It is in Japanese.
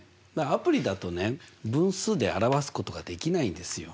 アプリだとね分数で表すことができないんですよ。